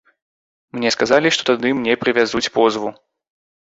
Мне сказалі, што тады мне прывязуць позву.